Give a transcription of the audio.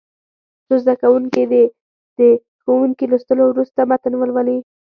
څو زده کوونکي دې د ښوونکي لوستلو وروسته متن ولولي.